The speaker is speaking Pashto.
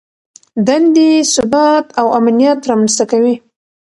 دندې ثبات او امنیت رامنځته کوي.